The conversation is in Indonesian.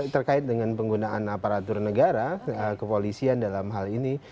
terkait dengan penggunaan aparatur negara kepolisian dalam hal ini